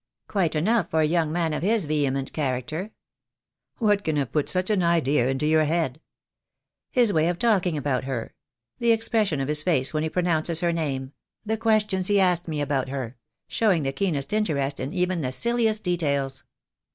"Quite enough for a young man of his vehement character." "What can have put such an idea into your head?" "His way of talking about her — the expression of his face when he pronounces her name — the questions he asked me about her, showing the keenest interest in even the silliest details.